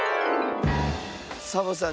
サボさん